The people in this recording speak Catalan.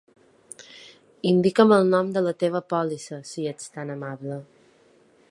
Indica'm el nom de la teva pòlissa, si ets tan amable.